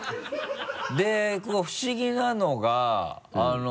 でこう不思議なのが。